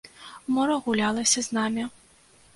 Мора гулялася з намі.